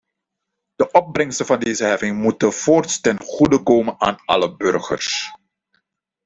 De opbrengsten van deze heffing moeten voorts ten goede komen aan alle burgers.